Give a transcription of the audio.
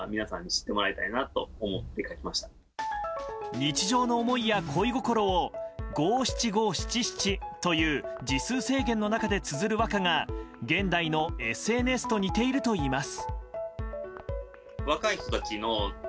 日常の思いや恋心を五七五七七という字数制限の中でつづる和歌が現代のＳＮＳと似ているといいます。